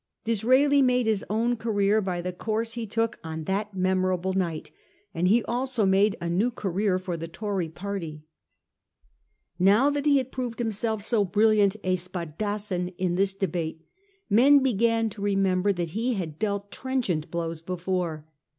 Disraeli made his own career by the course 1845 6 . ATTACKS ON PEEL, 399 he took on that memorable night, and he also made a new career for the Tory party. Now that he had proved himself so brilliant a tpadassin in this debate, men began to remember that he had dealt trenchant blows before.